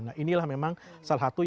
nah inilah memang salah satu